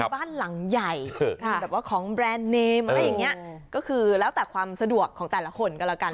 บ้านหลังใหญ่มีแบบว่าของแบรนด์เนมอะไรอย่างนี้ก็คือแล้วแต่ความสะดวกของแต่ละคนก็แล้วกัน